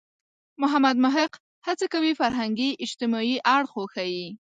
محمد محق هڅه کوي فرهنګي – اجتماعي اړخ وښيي.